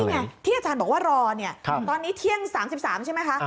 ไงที่อาจารย์บอกว่ารอเนี่ยตอนนี้เที่ยง๓๓ใช่ไหมคะ